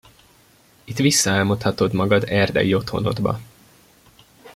Itt visszaálmodhatod magad erdei otthonodba!